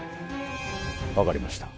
分かりました